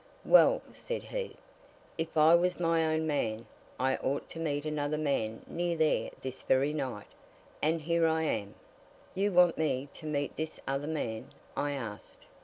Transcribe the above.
"Well," said he, "if I was my own man, I ought to meet another man near there this very night. And here I am!" "You want me to meet this other man?" I asked.